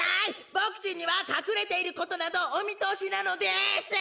ボクちんにはかくれていることなどおみとおしなのです！